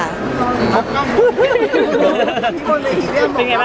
แต่ว่าโคเลศค่ะไม่มีอะไรค่ะ